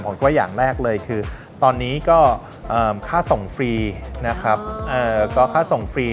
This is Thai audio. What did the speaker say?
บ้างผมก็อย่างแรกเลยคือตอนนี้ก็ค่าส่งฟรีนะครับก็ส่งฟรี